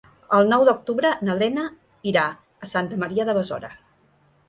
El nou d'octubre na Lena irà a Santa Maria de Besora.